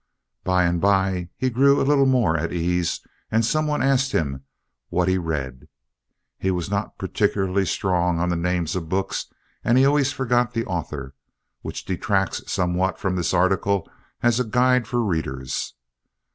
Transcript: By and by he grew a little more at ease and somebody asked him what he read. He was not particularly strong on the names of books and he always forgot the author, which detracts somewhat from this article as a guide for readers.